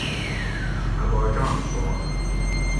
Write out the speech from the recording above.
ا باچاں سوال